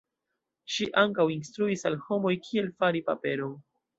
Ŝi ankaŭ instruis al homoj kiel fari paperon.